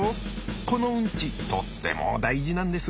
このうんちとっても大事なんです。